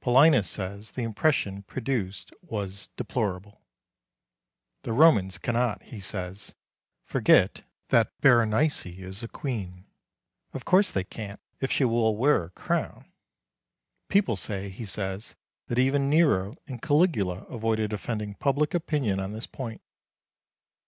Paulinus says the impression produced was deplorable. The Romans cannot, he says, forget that Berenice is a queen. Of course they can't, if she will wear a crown. People say, he says, that even Nero and Caligula avoided offending public opinion on this point.